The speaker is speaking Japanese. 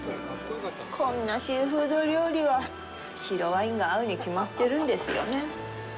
こんなシーフード料理は白ワインが合うに決まってるんですよね。